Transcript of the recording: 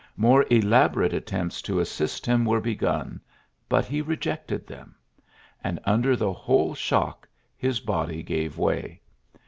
More elabo rate attempts to assist him were begun, but he rejected them. And under the whole shock his body gave way.